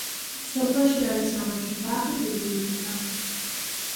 სოფელში არის საბავშვო ბაღი, ბიბლიოთეკა.